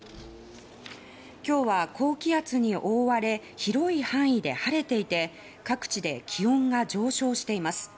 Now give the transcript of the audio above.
今日は高気圧に覆われて広い範囲で晴れていて各地で気温が上昇しています。